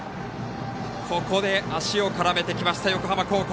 ここで足を絡めてきました横浜高校。